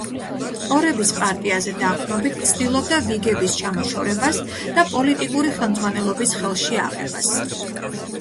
ტორების პარტიაზე დაყრდნობით ცდილობდა ვიგების ჩამოშორებას და პოლიტიკური ხელმძღვანელობის ხელში აღებას.